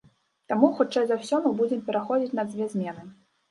Таму, хутчэй за ўсё, мы будзем пераходзіць на дзве змены.